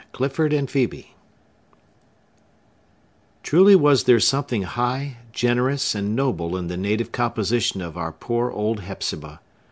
Clifford and Phœbe Truly was there something high, generous, and noble in the native composition of our poor old Hepzibah!